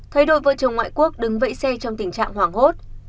thấy đội vợ chồng ngoại quốc đứng vẫy xe trong tình trạng hoảng hốt